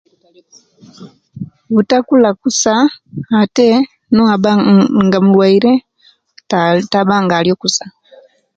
Butakula kuusa ate owaba nga mulwaire tabba nga alia okusa